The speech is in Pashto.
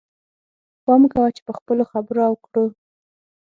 پام کوه چې په خپلو خبرو او کړو.